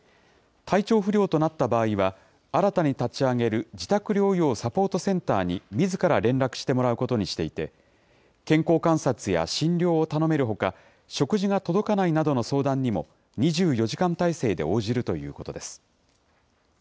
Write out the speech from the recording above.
体調不良となった場合は、新たに立ち上げる、自宅療養サポートセンターにみずから連絡してもらうことにしていて、健康観察や診療を頼めるほか、食事が届かないなどの相談にも２４時間体制で応じるということです。